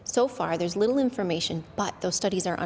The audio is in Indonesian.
sejauh ini tidak ada informasi tapi penelitian itu diperlukan